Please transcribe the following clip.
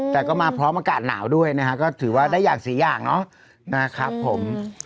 แต่ก็มาพร้อมอากาศหนาวด้วยนะฮะก็ถือว่าได้อย่างสี่อย่างเนาะนะครับผม